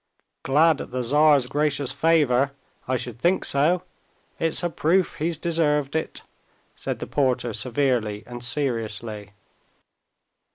"Glad at the Tsar's gracious favor! I should think so! It's a proof he's deserved it," said the porter severely and seriously.